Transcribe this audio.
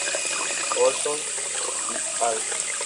Ohlson "et al".